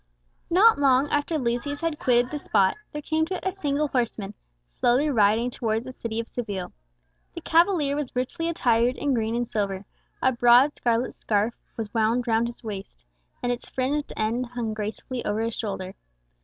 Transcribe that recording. Not long after Lucius had quitted that spot, there came to it a single horseman, slowly riding towards the city of Seville. The cavalier was richly attired in green and silver; a broad scarlet scarf was wound round his waist, and its fringed end hung gracefully over his shoulder.